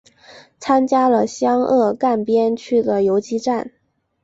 参加了湘鄂赣边区的游击战。